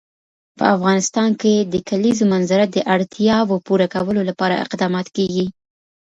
په افغانستان کې د کلیزو منظره د اړتیاوو پوره کولو لپاره اقدامات کېږي.